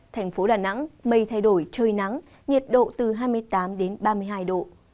thành phố đà nẵng mây thay đổi trời nắng nhiệt độ từ hai mươi tám đến ba mươi hai độ